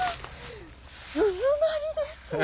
鈴なりですね！